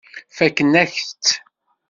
Fakkent-ak-tt.